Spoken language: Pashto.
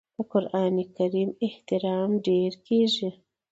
د قران کریم احترام ډیر کیږي.